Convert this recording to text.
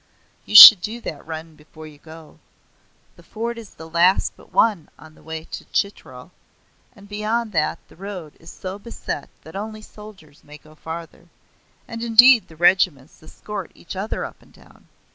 You should do that run before you go. The fort is the last but one on the way to Chitral, and beyond that the road is so beset that only soldiers may go farther, and indeed the regiments escort each other up and down.